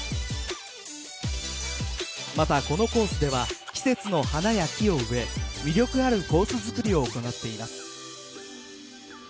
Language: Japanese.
また、このコースでは季節の花や木を植え魅力あるコース作りを行っています。